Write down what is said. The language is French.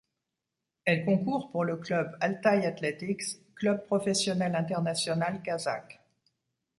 Elle concourt pour le club Altay Athletics, club professionnel international kazakh.